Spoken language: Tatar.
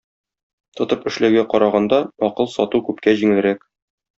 Тотып эшләүгә караганда акыл сату күпкә җиңелрәк.